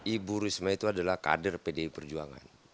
ibu risma itu adalah kader pdi perjuangan